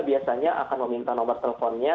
biasanya akan meminta nomor teleponnya